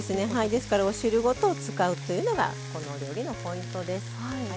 ですからお汁ごと使うというのがこのお料理のポイントです。